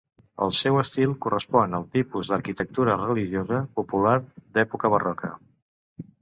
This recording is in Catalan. El seu estil correspon al tipus d'arquitectura religiosa popular d'època barroca.